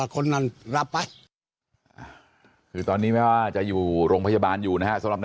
คือตอนนี้ไม่ว่าจะอยู่โรงพยาบาลอยู่นะครับ